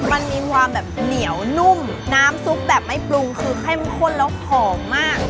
มันมีความแบบเหนียวนุ่มน้ำซุปแบบไม่ปรุงคือเข้มข้นแล้วหอมมาก